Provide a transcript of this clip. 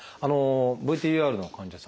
ＶＴＲの患者さんね